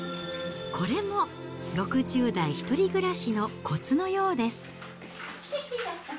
これも６０代１人暮らしのこつのようです。